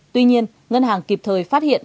tuy nhiên ngân hàng kịp thời phát hiện